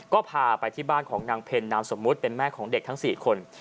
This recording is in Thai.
ก็พาไปที่บ้านของนางเพ็ญนามสมมุติเป็นแม่ของเด็กทั้ง๔คน